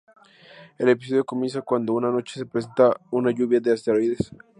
El episodio comienza cuando una noche se presentara una lluvia de asteroides.